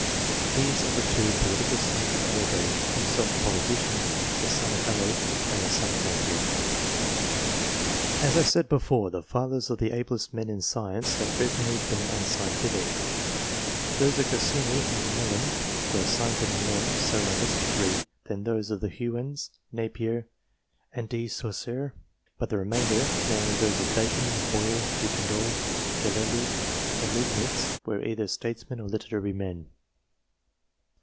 These are the two political sons of Arago (himself a politician), the son of Haller, and the son of Napier. As I said before, the fathers of the ablest men in science have frequently been unscientific. Those of Cassini and Gmelin were scientific men ; so, in a lesser degree, were those of Huyghens, Napier, and De Saussare ; but the remainder namely, those of Bacon, Boyle, De Candolle, Galilei, and Leibnitz were either statesmen or literary men.